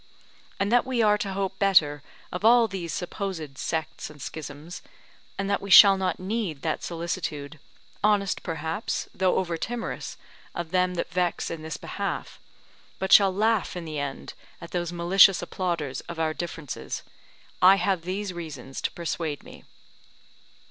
And that we are to hope better of all these supposed sects and schisms, and that we shall not need that solicitude, honest perhaps, though over timorous, of them that vex in this behalf, but shall laugh in the end at those malicious applauders of our differences, I have these reasons to persuade me.